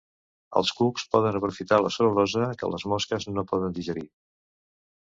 Els cucs poden aprofitar la cel·lulosa que les mosques no poden digerir.